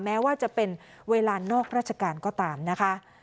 แม้ว่าจะเป็นเวลานอกราชการก็ตามนะคะ